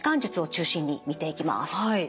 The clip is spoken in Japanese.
はい。